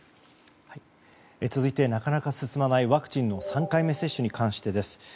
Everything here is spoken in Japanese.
続いてなかなか進まないワクチンの３回目接種について。